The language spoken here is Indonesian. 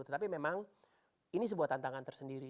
tetapi memang ini sebuah tantangan tersendiri